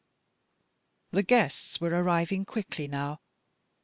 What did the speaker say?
The guests were arriving quickly now.